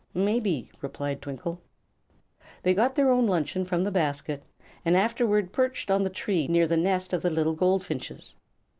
"Maybe," replied Twinkle. They got their own luncheon from the basket, and afterward perched on the tree near the nest of the little goldfinches.